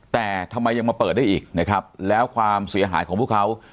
แต่ทำไมยังมาเปิดได้อีกนะครับแล้วความเสียหายของพวกเขา